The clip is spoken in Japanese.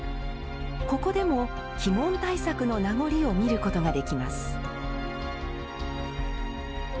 ここでも、鬼門対策の名残を見ることができます。